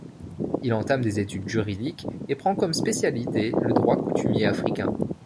Il entame des études juridiques et prend comme spécialité le droit coutumier africain.